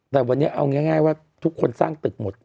แต่วันนี้เอาง่ายว่าทุกคนสร้างตึกหมด